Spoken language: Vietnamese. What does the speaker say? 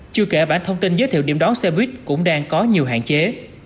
chưa kể bản thông tin giới thiệu điểm đón xe buýt cũng đang có nhiều hạn chế